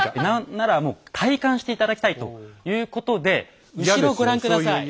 ならもう体感していただきたいということで後ろご覧下さい。